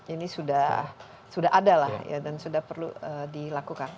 ini sudah ada lah dan sudah perlu dilakukan